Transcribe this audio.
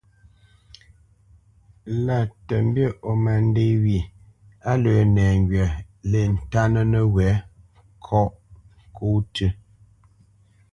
Lâ mbî ó má ndê wyê, á lə́ nɛŋgywa lê ntánə́ nəwɛ̌ ŋgyə̂ ŋkɔ̌ tʉ́,